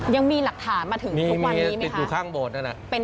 ยังมีหลักฐานมาถึงทุกวันนี้ไหมคะอยู่ข้างโบสถนั่นแหละ